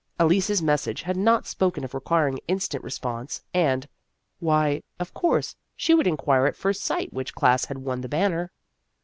Elise's mes sage had not spoken of requiring instant response, and why, of course, she would inquire at first sight which class had won the banner.